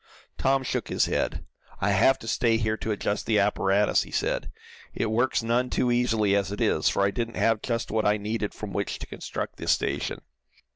Tom shook his head. "I have to stay here to adjust the apparatus," he said. "It works none too easily as it is, for I didn't have just what I needed from which to construct this station.